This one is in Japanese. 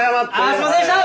すいませんでした！